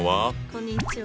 こんにちは。